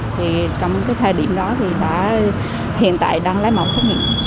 thì trong cái thời điểm đó thì đã hiện tại đang lấy mẫu xét nghiệm